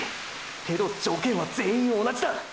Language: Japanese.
けど条件は全員同じだ！！